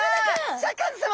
シャーク香音さま